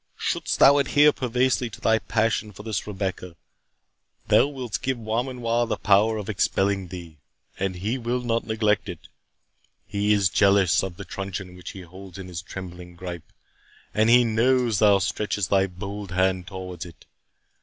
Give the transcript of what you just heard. Shouldst thou adhere perversely to thy passion for this Rebecca, thou wilt give Beaumanoir the power of expelling thee, and he will not neglect it. He is jealous of the truncheon which he holds in his trembling gripe, and he knows thou stretchest thy bold hand towards it.